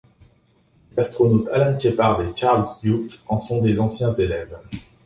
Les astronautes Alan Shepard et Charles Duke en sont des anciens élèves.